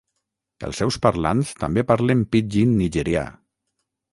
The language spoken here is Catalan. Els seus parlants també parlen pidgin nigerià.